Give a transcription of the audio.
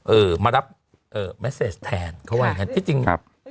เออมารับเอ่อเมสเซสแทนเขาไว้ครับจริงจริงครับครับ